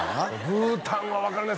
ブータンは分からない